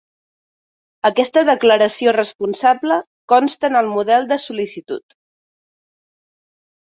Aquesta declaració responsable consta en el model de sol·licitud.